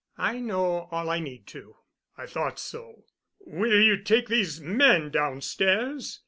I know all I need to." "I thought so. Will you take these men downstairs?